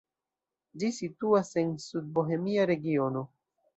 Ĝi situas en Sudbohemia regiono.